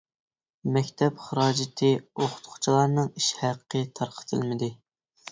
مەكتەپ خىراجىتى، ئوقۇتقۇچىلارنىڭ ئىش ھەققى تارقىتىلمىدى.